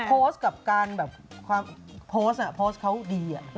โพสต์กับการแบบโพสต์เค้าดี